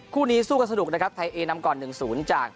คู่นี้สู้กันสนุกนะครับไทยเอนำก่อนหนึ่งศูนย์จาก